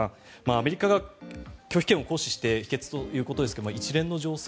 アメリカが拒否権を行使して否決ということですが一連の情勢